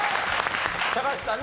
高橋さんね